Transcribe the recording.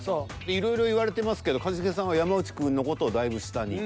いろいろ言われてますけど一茂さんは山内くんの事をだいぶ下に。